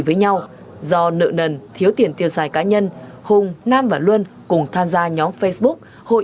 với nhau do nợ nần thiếu tiền tiêu xài cá nhân hùng nam và luân cùng tham gia nhóm facebook hội